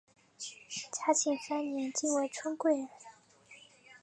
嘉庆三年晋为春贵人。